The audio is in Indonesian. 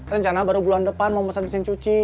rencana baru bulan depan mau pesan mesin cuci